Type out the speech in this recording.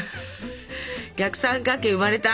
逆三角形生まれた？